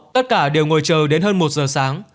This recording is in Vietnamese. tất cả đều ngồi chờ đến hơn một giờ sáng